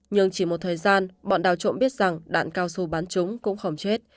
nhưng chỉ một thời gian bọn đào trộm biết rằng đạn cao su bắn chúng cũng không chết